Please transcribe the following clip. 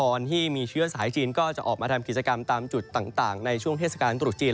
คนที่มีเชื้อสายจีนก็จะออกมาทำกิจกรรมตามจุดต่างในช่วงเทศกาลตรุษจีน